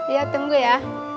iya tunggu ya